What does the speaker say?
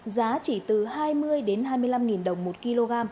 giá chỉ từ hai mươi hai mươi năm đồng một kg